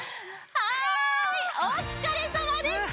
はいおつかれさまでした！